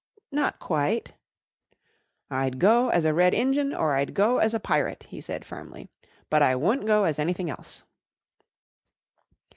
"Not quite." "I'd go as a Red Injun, or I'd go as a Pirate," he said firmly, "but I wu'nt go as anything else."